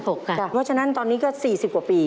เพราะฉะนั้นตอนนี้ก็๔๐กว่าปี